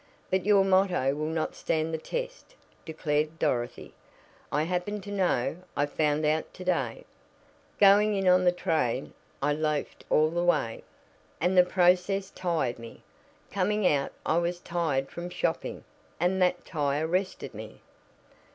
'" "But your motto will not stand the test," declared Dorothy. "I happen to know I found out to day. Going in on the train I 'loafed' all the way, and the process tired me. Coming out I was tired from shopping, and that tire rested me."